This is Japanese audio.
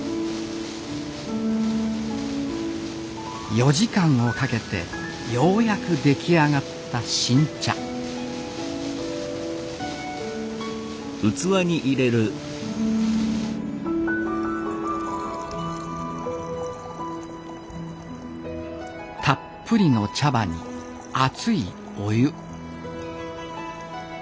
４時間をかけてようやく出来上がった新茶たっぷりの茶葉に熱いお湯